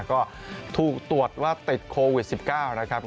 ก็ถูกตรวจว่าติดโควิด๑๙นะครับ